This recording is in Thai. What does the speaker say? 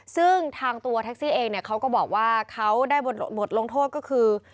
ซึ่งทางตัวแท็กซี่เองเนี่ยเขาก็บอกว่าเขาได้บทลงโทษก็คือ